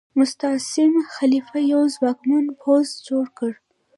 مستعصم خلیفه یو ځواکمن پوځ جوړ کړ.